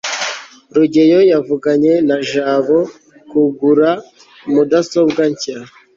rugeyo yavuganye na jabo kugura mudasobwa nshya